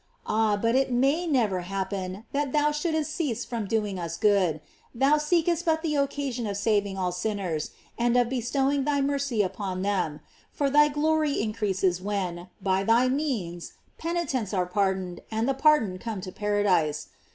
Ah, may it never happen that thou shouldst cease from doing us good: thou seekest but the occasion of saving all sinners, and of be stowing thy mercy upon them; for thy glory in creases when, by thy means, penitents are pardon ed, and the pardoned come to paradise.